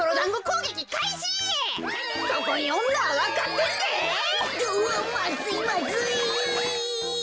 うわっまずいまずい。